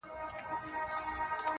سیاه پوسي ده، دا دی لا خاندي.